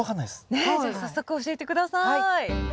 ねっじゃあ早速教えて下さい。